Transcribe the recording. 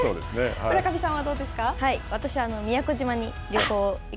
村上さんはどうですか。